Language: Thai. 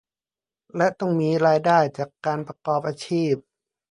และต้องมีรายได้จากการประกอบอาชีพ